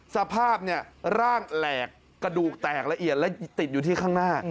สภาพร่างแหลกกระดูกแตกละเอียดและติดอยู่ที่ข้างหน้า